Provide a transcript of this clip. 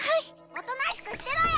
おとなしくしてろよ。